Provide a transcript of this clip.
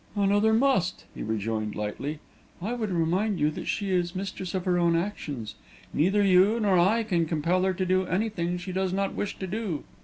"Another 'must'!" he rejoined lightly. "I would remind you that she is mistress of her own actions. Neither you nor I can compel her to do anything she does not wish to do.